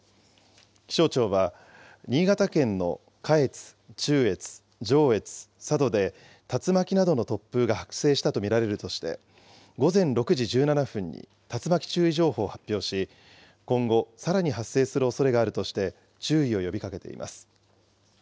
気象庁は、新潟県の下越、中越、上越、佐渡で、竜巻などの突風が発生したと見られるとして、午前６時１７分に竜巻注意情報を発表し、今後さらに発生するおそれがあるとして、注意を呼びかけています。